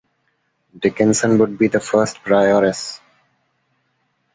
Dickinson would be the first prioress.